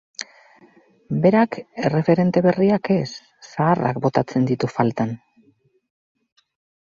Berak erreferente berriak ez, zaharrak botatzen ditu faltan.